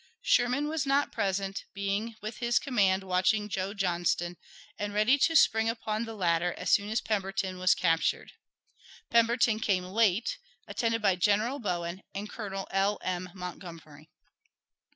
Sherman was not present, being with his command watching Joe Johnston, and ready to spring upon the latter as soon as Pemberton was captured. Pemberton came late, attended by General Bowen and Colonel L. M. Montgomery.